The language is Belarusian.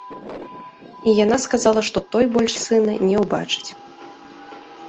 І яна сказала, што той больш сына не ўбачыць.